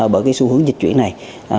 bởi cái xu hướng dịch chuyển này